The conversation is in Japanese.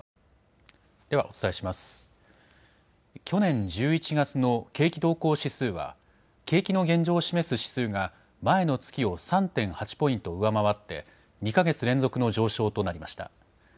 去年１１月の景気動向指数は景気の現状を示す指数が前の月を３．８ポイント上回って２か月連続の上昇となりました。